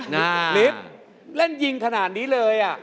นี่บี๊ปเล่นยิงขนาดนี้เลย